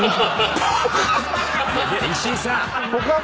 石井さん！